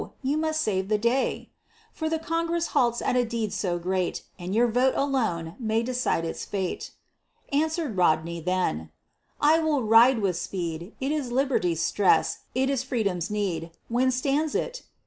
you must save the day, For the Congress halts at a deed so great, And your vote alone may decide its fate." Answered Rodney then: "I will ride with speed; It is Liberty's stress; it is Freedom's need. When stands it?"